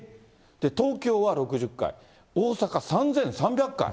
東京は６０回、大阪３３００回。